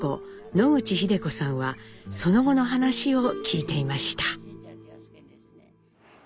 野口秀子さんはその後の話を聞いていました。